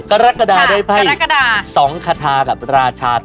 กรกฎาได้ไพ่สองคาทากับราชาถ้วย